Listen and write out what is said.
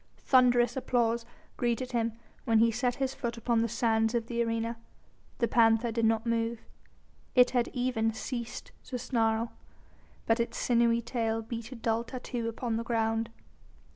Thunderous applause greeted him when he set his foot upon the sands of the arena. The panther did not move. It had even ceased to snarl, but its sinewy tail beat a dull tattoo upon the ground.